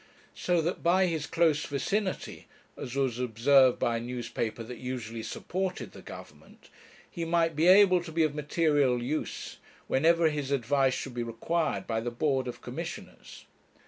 'So that by his close vicinity,' as was observed by a newspaper that usually supported the Government, 'he might be able to be of material use, whenever his advice should be required by the Board of Commissioners.'